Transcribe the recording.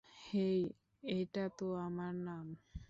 হেই এটা তো আমার নাম।